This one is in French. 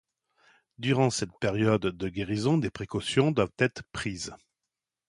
Durant cette période de guérison des précautions doivent être prises.